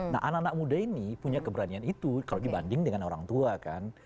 nah anak anak muda ini punya keberanian itu kalau dibanding dengan orang tua kan